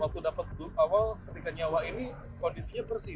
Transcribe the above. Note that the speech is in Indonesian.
waktu dapat awal ketika nyawa ini kondisinya bersih